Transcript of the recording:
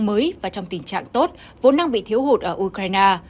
mới và trong tình trạng tốt vốn đang bị thiếu hụt ở ukraine